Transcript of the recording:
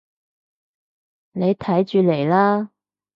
你睇住嚟啦